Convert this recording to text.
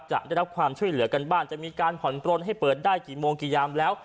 จะได้รับความช่วยเหลือกันบ้างจะมีการผ่อนปลนให้เปิดได้กี่โมงกี่ยามแล้ว